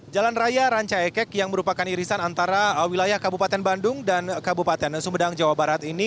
jalan raya rancaikek yang merupakan irisan antara wilayah kabupaten bandung dan kabupaten sumedang jawa barat ini